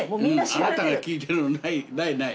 あなたが聞いてるのないない。